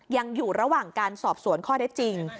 ยังอยู่ระหว่างการสอบสวนข้อได้จริง